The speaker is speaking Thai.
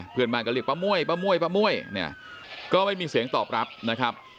เพื่อนบ้านก็เรียกป้าม่วยป้าม่วยป้าม่วยเนี่ยก็ไม่มีเสียงตอบรับนะครับ